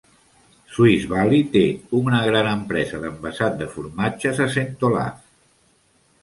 Swiss Valey té una gran empresa d'envasat de formatges a St. Olaf.